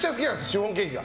シフォンケーキが。